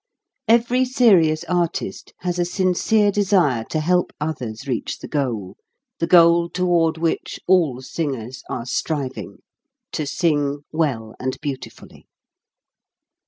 Every serious artist has a sincere desire to help others reach the goal the goal toward which all singers are striving: to sing well and beauti fully.